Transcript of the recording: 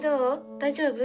大丈夫？